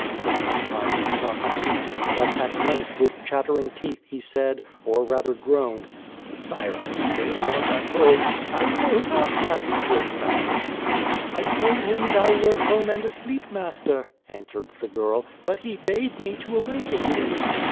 For some time he could not speak, but at length with chattering teeth he said, or rather groaned: "Syra — I am not at home — I know not that — good man —'' "I told him thou wert home and asleep, master/' answered the girl, "but he bade me to awaken thee."